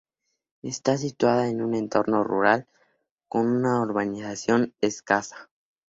Está situada en un entorno rural con una urbanización escasa.